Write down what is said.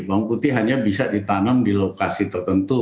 bawang putih hanya bisa ditanam di lokasi tertentu